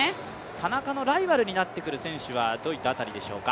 田中のライバルになってくる選手は、どういった辺りでしょうか？